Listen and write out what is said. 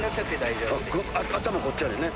頭こっちやねんね。